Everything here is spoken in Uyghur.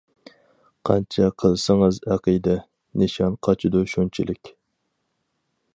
قانچە قىلسىڭىز ئەقىدە، نىشان قاچىدۇ شۇنچىلىك.